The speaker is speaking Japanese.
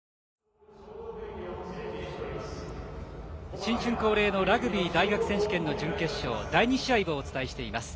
新春恒例のラグビー大学選手権の準決勝第２試合をお伝えしています。